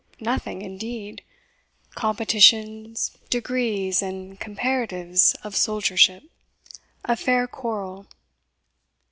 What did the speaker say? nothing, indeed; Competitions, degrees, and comparatives Of soldiership! A Faire Qurrell.